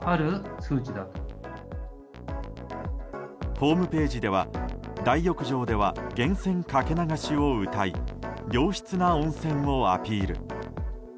ホームページでは大浴場では源泉かけ流しをうたい良質な温泉をアピール。